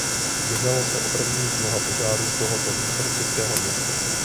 Jednalo se o první z mnoha požárů tohoto východočeského města.